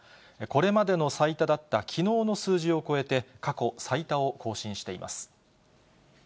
これまでの最多だったきのうの数字を超えて、過去最多を更新しています。